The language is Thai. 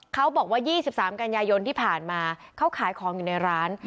เขาบอกว่ายี่สิบสามกัญญายนที่ผ่านมาเขาขายของอยู่ในร้าน